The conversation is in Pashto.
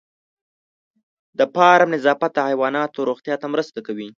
د فارم نظافت د حیواناتو روغتیا ته مرسته کوي.